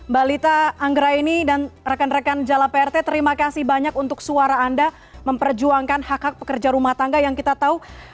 mbak lita anggra ini dan rekan rekan jala prt terima kasih banyak untuk suara anda memperjuangkan hak hak pekerja rumah tangga yang kita tahu